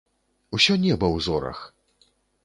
Усё неба ў зорах!